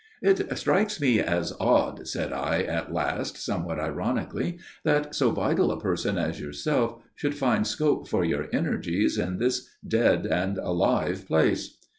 "It strikes me as odd," said I at last, somewhat ironically, "that so vital a person as yourself should find scope for your energies in this dead and alive place."